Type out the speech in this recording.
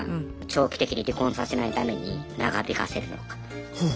長期的に離婚させないために長引かせるのか。